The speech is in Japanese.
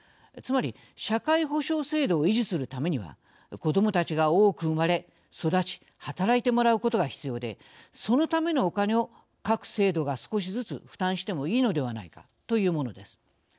つまり社会保障制度を維持するためには子どもたちが多く生まれ、育ち働いてもらうことが必要でそのためのお金を各制度が少しずつ負担してもいいのではないかというものです。